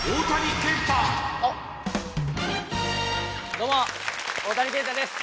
どうも大谷健太です！